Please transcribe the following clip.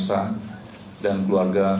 dan seluruh keluarga yang berpulang pada pagi hari ini